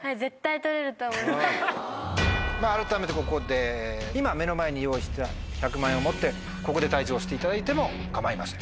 改めてここで今目の前に用意してある１００万円を持ってここで退場していただいても構いません。